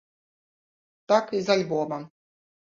Так і з альбомам.